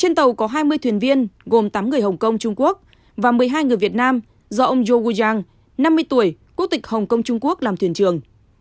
trên tàu có hai mươi thuyền viên gồm tám người hồng kông trung quốc và một mươi hai người việt nam do ông jogu jang năm mươi tuổi quốc tịch hồng kông trung quốc làm thuyền trường